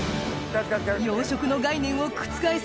養殖の概念を覆す